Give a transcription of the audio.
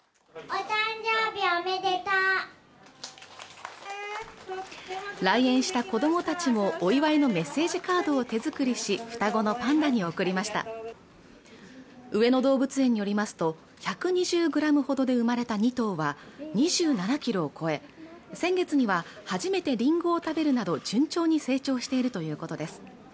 おめでとう来園した子どもたちもお祝いのメッセージカードを手作りし双子のパンダに贈りました上野動物園によりますと１２０ｇほどで生まれた２頭は２７ｋｇを超え先月には初めてリンゴを食べるなど順調に成長しているということです